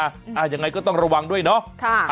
ยังไงก็ต้องระวังด้วยเนาะ